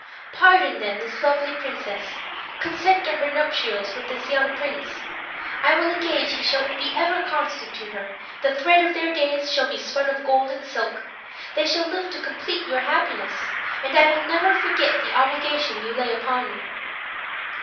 Pardon, then, this lovely princess; consent to her nuptials with this young prince. I will engage he shall be ever constant to her; the thread of their days shall be spun of gold and silk; they shall live to complete your happiness; and I will never forget the obligation you lay upon me."